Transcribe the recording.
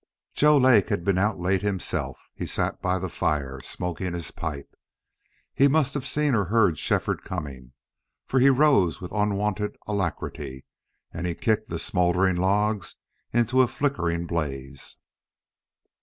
Joe Lake had been out late himself. He sat by the fire, smoking his pipe. He must have seen or heard Shefford coming, for he rose with unwonted alacrity, and he kicked the smoldering logs into a flickering blaze.